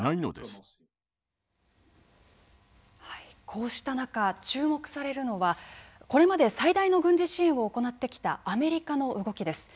こうした中注目されるのはこれまで最大の軍事支援を行ってきたアメリカの動きです。